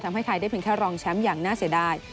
ทำให้ไทยได้เพียงแค่รองแชมป์อย่างน่าเสียดาย